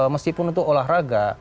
meskipun itu olahraga